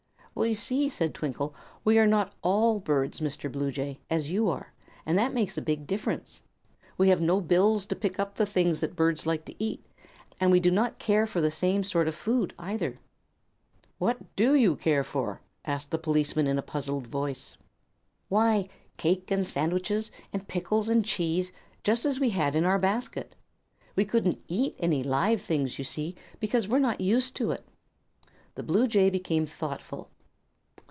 "You see," said Twinkle, "we are not all birds, Mr. Bluejay, as you are; and that makes a big difference. We have no bills to pick up the things that birds like to eat, and we do not care for the same sort of food, either." "What do you care for?" asked the policeman, in a puzzled voice. "Why, cake and sandwitches, and pickles, and cheese, such as we had in our basket. We couldn't eat any live things, you see, because we are not used to it." The bluejay became thoughtful.